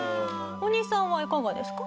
大西さんはいかがですか？